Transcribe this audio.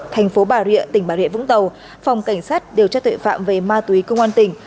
tp bà rịa tp bà rịa vũng tàu phòng cảnh sát điều tra tuệ phạm về ma túy công an tỉnh